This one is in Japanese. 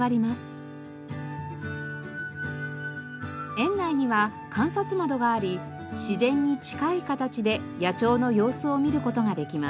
園内には観察窓があり自然に近い形で野鳥の様子を見る事ができます。